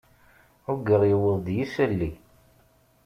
Uggaɣ yewweḍ-d yisalli.